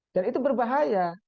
dan itu berbahaya